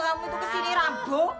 kamu tuh kesini rabok